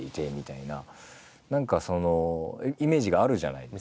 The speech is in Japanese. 何かそのイメージがあるじゃないですか。